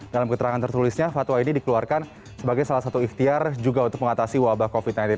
dalam keterangan tertulisnya fatwa ini dikeluarkan sebagai salah satu ikhtiar juga untuk mengatasi wabah covid sembilan belas